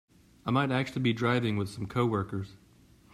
I might actually be driving with some coworkers.